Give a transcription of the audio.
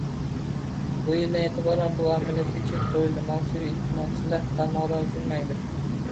Bu yildan eʼtiboran bu amaliyotga chek qoʻyilib, mavsumiy isteʼmolchilar tarmoqdan uzilmaydi.